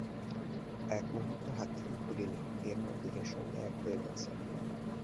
এক মুহূর্ত হাত থেকে খুলি নি, এ আমার দেহের সঙ্গে এক হয়ে গেছে।